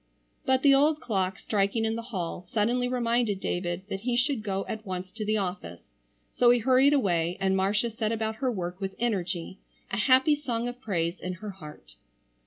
But the old clock striking in the hall suddenly reminded David that he should go at once to the office, so he hurried away and Marcia set about her work with energy, a happy song of praise in her heart.